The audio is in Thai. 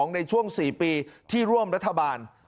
ในช่วง๔ปีที่ร่วมรัฐบาล